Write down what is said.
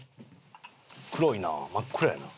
黒いな真っ黒やな。